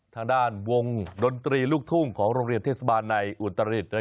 ทางด้านวงดนตรีลูกทุ่งของโรงเรียนเทศบาลในอุตรฤษ